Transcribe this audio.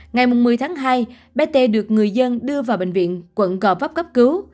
ngày một mươi tháng hai bé t được người dân đưa vào bệnh viện quận go vấp cấp cứu